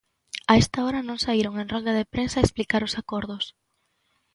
A esta hora non saíron en rolda de prensa a explicar os acordos.